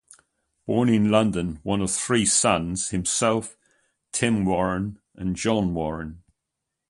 Born in London, one of three sons, himself, Tim Warren and John Warren.